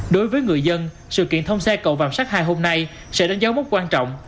đối với người dân sự kiện thông xe cầu vạm sát hai hôm nay sẽ đánh dấu mốc quan trọng